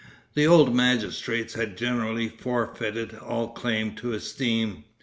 The old magistrates had generally forfeited all claim to esteem.